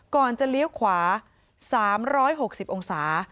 ก่อนจะเลี้ยวขวา๓๖๐องศา